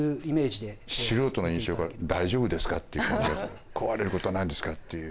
素人の印象が大丈夫ですかということで壊れることはないんですかっていう。